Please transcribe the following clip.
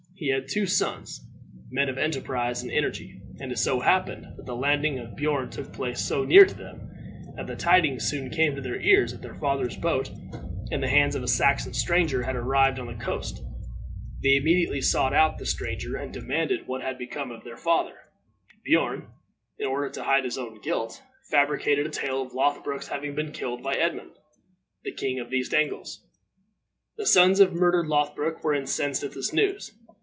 He had two sons, men of enterprise and energy; and it so happened that the landing of Beorn took place so near to them, that the tidings soon came to their ears that their father's boat, in the hands of a Saxon stranger, had arrived on the coast. They immediately sought out the stranger, and demanded what had become of their father. Beorn, in order to hide his own guilt, fabricated a tale of Lothbroc's having been killed by Edmund, the king of the East Angles. The sons of the murdered Lothbroc were incensed at this news.